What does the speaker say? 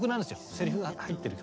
セリフが入ってる曲。